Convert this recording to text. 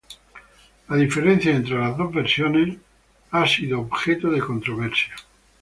La diferencia entre las dos versiones ha sido objeto de controversia.